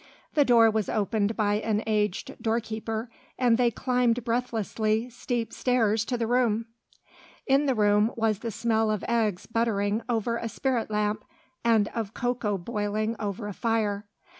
The door was opened by an aged door keeper, and they climbed breathlessly steep stairs to the room. In the room was the smell of eggs buttering over a spirit lamp, and of cocoa boiling over a fire.